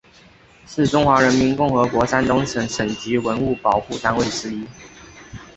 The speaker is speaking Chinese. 是中华人民共和国山东省省级文物保护单位之一。